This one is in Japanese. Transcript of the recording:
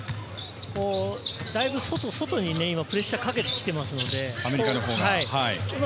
だいぶ外々に今プレッシャーかけてきていますので、アメリカのほうが。